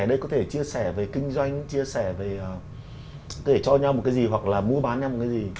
đấy có thể chia sẻ về kinh doanh chia sẻ về có thể cho nhau một cái gì hoặc là mua bán nhau một cái gì